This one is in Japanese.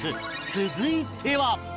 続いては